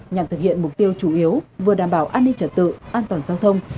nhằm thực hiện mục tiêu chủ yếu vừa đảm bảo an ninh trật tự an toàn giao thông